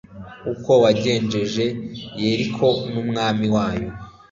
uko wagenjeje yeriko n'umwami wayo